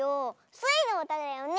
スイのうただよね。